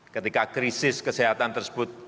ketika krisis kesehatan tersebut